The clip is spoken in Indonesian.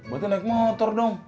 buatnya naik motor dong